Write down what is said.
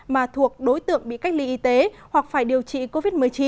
mà thuộc đối tượng bị cách ly y tế hoặc phải điều trị covid một mươi chín